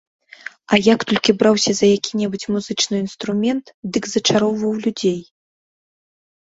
А як толькі браўся за які-небудзь музычны інструмент, дык зачароўваў людзей.